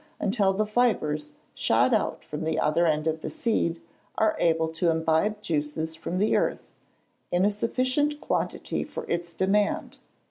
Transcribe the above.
until the fibres, shot out from the other end of the seed, are able to imbibe juices from the earth, in a sufficient quantity for its demand.